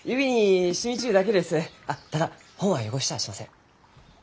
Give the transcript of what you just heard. あっただ本は汚しちゃあしません。